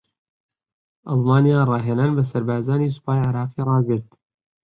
ئەڵمانیا راھێنان بە سەربازانی سوپای عێراقی راگرت